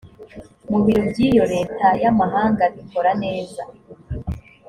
mu biro by’iyo leta y’amahanga bikora neza